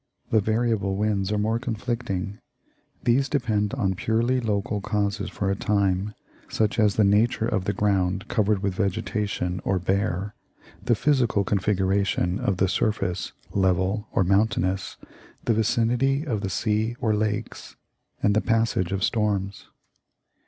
The variable winds are more conflicting. These depend on purely local causes for a time, such as "the nature of the ground, covered with vegetation or bare; the physical configuration of the surface, level or mountainous; the vicinity of the sea or lakes, and the passage of storms."